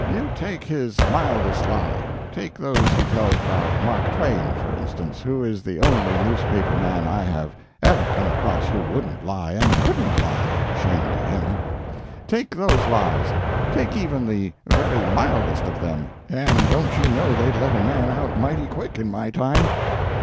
You take his mildest lie—take those he tells about Mark Twain, for instance (who is the only newspaper man I have ever come across who wouldn't lie and couldn't lie, shame to him,)—take those lies—take even the very mildest of them, and don't you know they'd let a man out mighty quick in my time?